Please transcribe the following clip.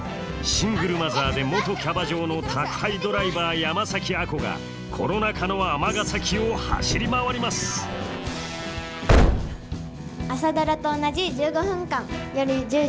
シングルマザーで元キャバ嬢の宅配ドライバー山崎亜子がコロナ禍の尼崎を走り回ります「朝ドラ」と同じ１５分間。